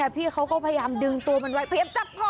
พี่เขาก็พยายามดึงตัวไว้แล้วพยายามจับพ่อมัน